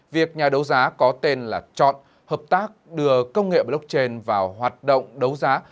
việc nhà đấu giá có tên là chọn hợp tác đưa công nghệ blockchain vào hoạt động đấu giá